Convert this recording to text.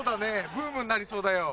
ブームになりそうだよ。